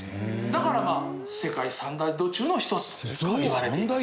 だから世界三大土柱の一つといわれています。